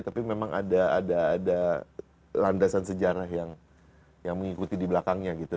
tapi memang ada landasan sejarah yang mengikuti di belakangnya gitu